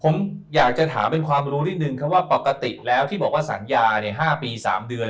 ผมอยากจะถามเป็นความรู้ที่นึงแล้วแล้วที่บอกว่าสัญญา๕ปี๓เดือน